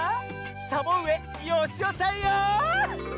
サボうえよしおさんよ。